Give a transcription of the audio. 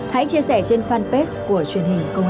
hãy chia sẻ trên fanpage của truyền hình công an nhân dân